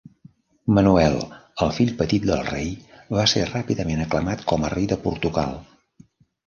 Manuel, el fill petit del rei, va ser ràpidament aclamat com a rei de Portugal.